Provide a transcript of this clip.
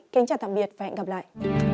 kính chào tạm biệt và hẹn gặp lại